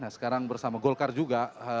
sekarang bersama golkar juga